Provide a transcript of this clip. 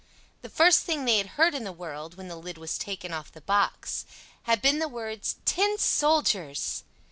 The first thing they had heard in the world, when the lid was taken off the box, had been the words "Tin soldiers!"